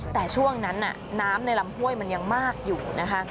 แต่ช่วงนั้นน้ำในลำห้วยมันยังมากอยู่นะคะ